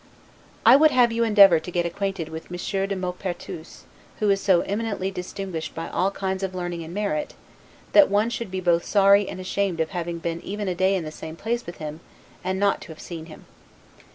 I would have you endeavor to get acquainted with Monsieur de Maupertuis, who is so eminently distinguished by all kinds of learning and merit, that one should be both sorry and ashamed of having been even a day in the same place with him, and not to have seen him.